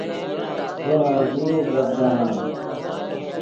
زو ہرزوغ گپ دہام